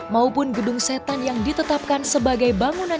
maupun gedung setan yang ditetapkan sebagai bangunan